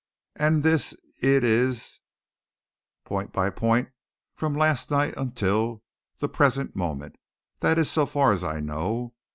And this it is point by point, from last night until until the present moment. That is so far as I know.